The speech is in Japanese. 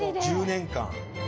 １０年間。